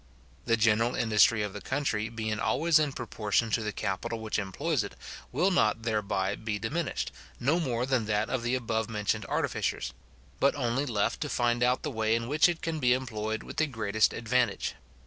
The general industry of the country being always in proportion to the capital which employs it, will not thereby be diminished, no more than that of the abovementioned artificers; but only left to find out the way in which it can be employed with the greatest advantage.